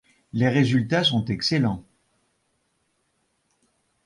Les résultats sont excellents.